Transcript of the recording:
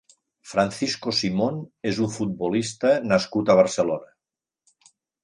Francisco Simón és un futbolista nascut a Barcelona.